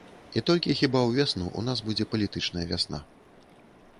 І толькі хіба ўвесну ў нас будзе палітычная вясна.